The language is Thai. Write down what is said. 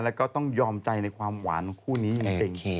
แล้วก็ต้องยอมใจในความหวานของคู่นี้จริง